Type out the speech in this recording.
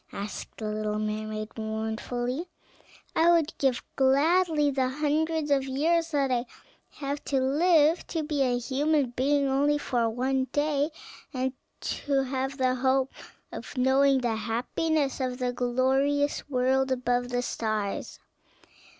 asked the little mermaid mournfully; "I would give gladly all the hundreds of years that I have to live, to be a human being only for one day, and to have the hope of knowing the happiness of that glorious world above the stars."